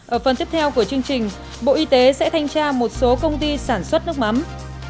ở phần tiếp theo của chương trình bộ y tế sẽ thanh tra một số công ty sản xuất nước mắm